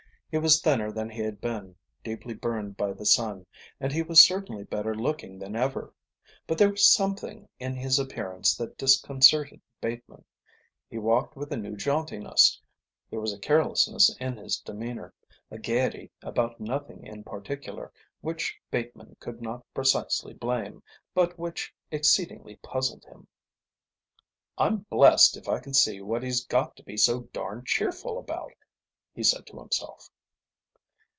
He was thinner than he had been, deeply burned by the sun, and he was certainly better looking than ever. But there was something in his appearance that disconcerted Bateman. He walked with a new jauntiness; there was a carelessness in his demeanour, a gaiety about nothing in particular, which Bateman could not precisely blame, but which exceedingly puzzled him. "I'm blest if I can see what he's got to be so darned cheerful about," he said to himself.